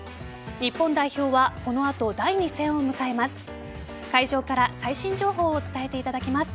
日本代表はこの後、第２戦を迎えます。